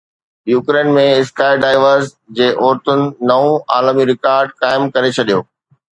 Ukraine ۾ skydivers جي عورتن نئون عالمي رڪارڊ قائم ڪري ڇڏيو